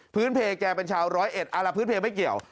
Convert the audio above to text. เพแกเป็นชาวร้อยเอ็ดอาระพื้นเพลไม่เกี่ยว